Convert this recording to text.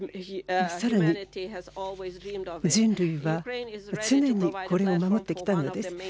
さらに人類は常に、これを守ってきたのです。